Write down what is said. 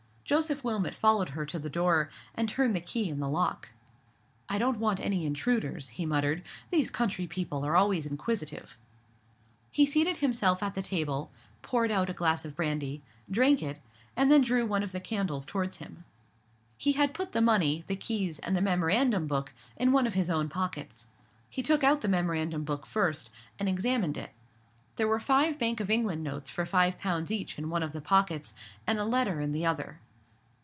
Joseph Wilmot followed her to the door, and turned the key in the lock. "I don't want any intruders," he muttered; "these country people are always inquisitive." He seated himself at the table, poured out a glass of brandy, drank it, and then drew one of the candles towards him. He had put the money, the keys, and the memorandum book, in one of his own pockets. He took out the memorandum book first, and examined it. There were five Bank of England notes for five pounds each in one of the pockets, and a letter in the other.